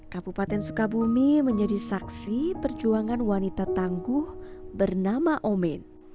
kabupaten sukabumi menjadi saksi perjuangan wanita tangguh bernama omin